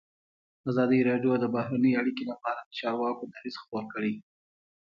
ازادي راډیو د بهرنۍ اړیکې لپاره د چارواکو دریځ خپور کړی.